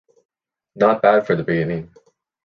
Not bad for the beginning.